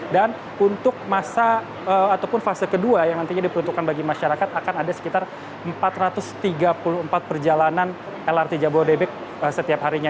dan untuk masa ataupun fase kedua yang nantinya diperuntukkan bagi masyarakat akan ada sekitar empat ratus tiga puluh empat perjalanan lrt jabodebek setiap harinya